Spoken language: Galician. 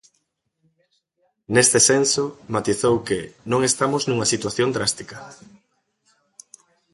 Neste senso, matizou que "non estamos nunha situación drástica".